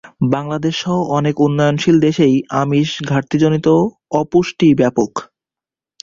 বাংলাদেশসহ অনেক উন্নয়নশীল দেশেই আমিষ ঘাটতিজনিত অপুষ্টি ব্যাপক।